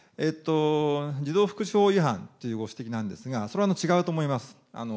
児童福祉法違反というご指摘なんですが、それは違うと思います。